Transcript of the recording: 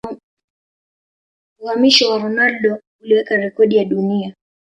Uhamisho wa Ronaldo uliweka rekodi ya dunia